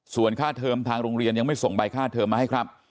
ส่วนค่าเทอมทางโรงเรียนยังไม่ส่งใบค่าเทอมมาให้ครับ